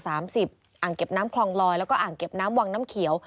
อ่างเก็บน้ำคลองลอยแล้วก็อ่างเก็บน้ำวังน้ำเขียว